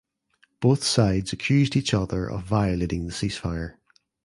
Both sides accused each other of violating the ceasefire.